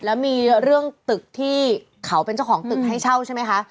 แล้วมีเรื่องตึกที่เขาเป็นเจ้าของตึกให้เช่าใช่ไหมคะ